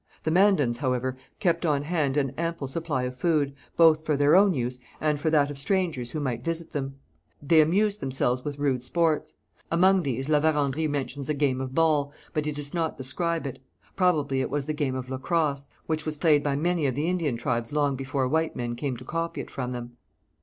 The Mandans, however, kept on hand an ample supply of food, both for their own use and for that of strangers who might visit them. They amused themselves with rude sports. Among these La Vérendrye mentions a game of ball, but he does not describe it. Probably it was the game of lacrosse, which was played by many of the Indian tribes long before white men came to copy it from them.